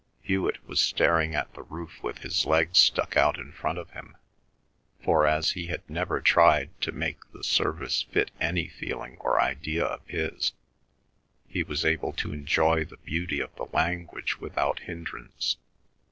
Hewet was staring at the roof with his legs stuck out in front of him, for as he had never tried to make the service fit any feeling or idea of his, he was able to enjoy the beauty of the language without hindrance.